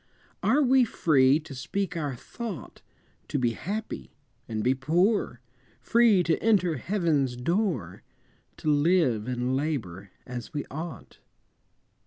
Are we free to speak our thought, To be happy, and be poor, Free to enter Heaven's door, To live and labor as we ought?